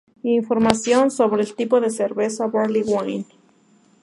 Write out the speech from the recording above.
Información sobre el tipo de cerveza Barley Wine